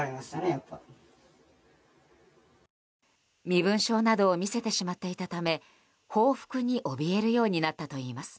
身分証などを見せてしまっていたため報復におびえるようになったといいます。